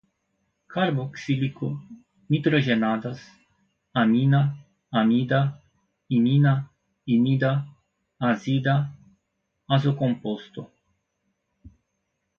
carboxílico, nitrogenadas, amina, amida, imina, imida, azida, azocomposto, nitrocomposto